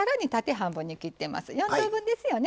４等分ですよね。